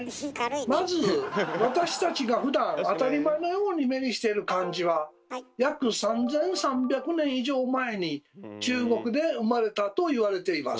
まず私たちがふだん当たり前のように目にしている漢字は約３，３００年以上前に中国で生まれたと言われています。